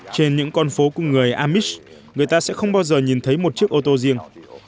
trên những con phố cùng người amish người ta sẽ không bao giờ nhìn thấy một chiếc ô tô riêng